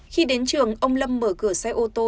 khi đến trường ông lâm mở cửa xe ô tô